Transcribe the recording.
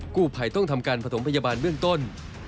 กู้ไพต้องทำการประถมพยาบาลเมืองต้น